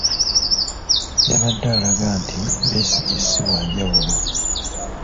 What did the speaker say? Yabadde alaga nti Besigye ssi wanjawulo.